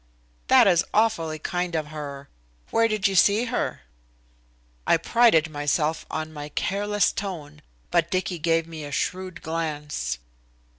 "That is awfully kind of her. Where did you see her." I prided myself on my careless tone, but Dicky gave me a shrewd glance.